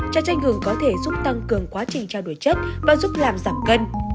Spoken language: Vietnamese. chà chanh gừng có thể giúp tăng cường quá trình trao đổi chất và giúp làm giảm cân